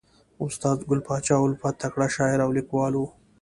استاد ګل پاچا الفت تکړه شاعر او لیکوال ؤ.